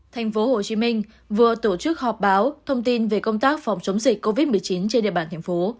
tp hcm vừa tổ chức họp báo thông tin về công tác phòng chống dịch covid một mươi chín trên địa bàn thành phố